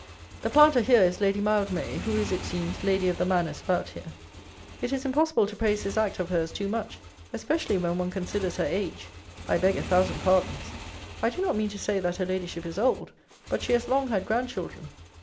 The planter here is LADY MILDMAY, who is, it seems, Lady of the Manors about here. It is impossible to praise this act of hers too much, especially when one considers her age. I beg a thousand pardons! I do not mean to say that her Ladyship is old; but she has long had grand children.